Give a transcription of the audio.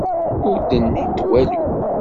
Ur d-nnint walu.